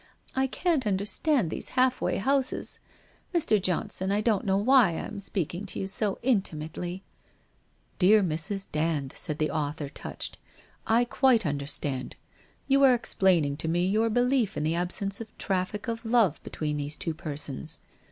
I can't understand these halfway houses. Mr. Johnson, I don't know why I am speaking to you so intimately '' Dear Mrs. Dand,' 6aid the author, touched, ' I quite understand. You are explaining to me your belief in the absence of traffic of love between these two persons.